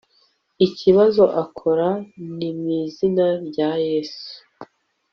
ikibazo akora ni mwizina rya yesu